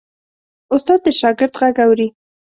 استاد د شاګرد غږ اوري.